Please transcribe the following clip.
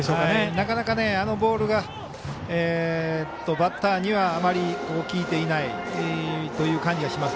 なかなか、あのボールがバッターにはあまり効いていないという感じがします。